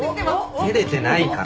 照れてないから。